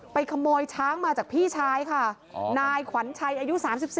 ขโมยช้างมาจากพี่ชายค่ะนายขวัญชัยอายุ๓๔